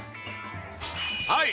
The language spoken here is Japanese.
はい！